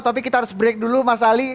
tapi kita harus break dulu mas ali